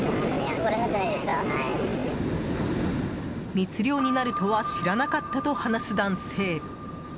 密漁になるとは知らなかったと話す男性。